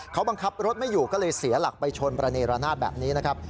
เขาบังคับรถไม่อยู่ก็เลยเสียหลักไปชนประเนรนาศแบบนี้นะครับ